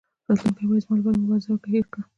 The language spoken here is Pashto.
راتلونکی وایي زما لپاره مبارزه وکړه هېر کړه.